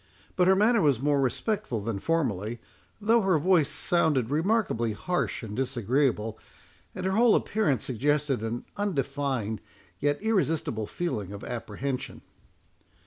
But her manner was more respectful than formerly, though her voice sounded remarkably harsh and disagreeable, and her whole appearance suggested an undefined, yet irresistible feeling of apprehension.